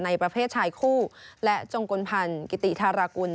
ประเภทชายคู่และจงกลพันธ์กิติธารากุล